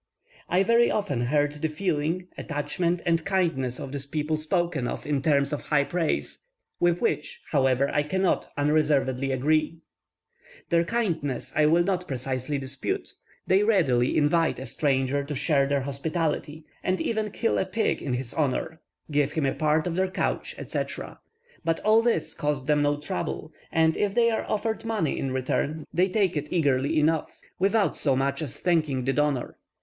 I very often heard the feeling, attachment, and kindness of this people spoken of in terms of high praise, with which, however, I cannot unreservedly agree. Their kindness I will not precisely dispute; they readily invite a stranger to share their hospitality, and even kill a pig in his honour, give him a part of their couch, etc.; but all this costs them no trouble, and if they are offered money in return, they take it eagerly enough, without so much as thanking the donor.